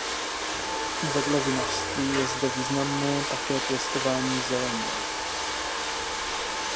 Vedle vinařství je zde významné také pěstování zeleniny.